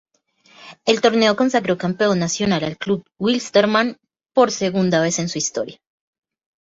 El torneo consagró campeón nacional al Club Wilstermann por segunda vez en su historia.